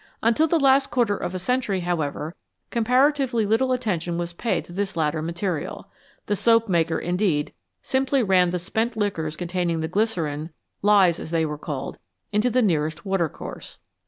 Until the last quarter of a century, however, comparatively little attention was paid to this latter material ; the soap maker, indeed, simply ran the spent liquors containing the glycerine, " lyes," as they are called, into the nearest water course.